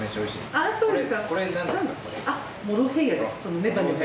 あっそうです。